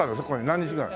何日ぐらい？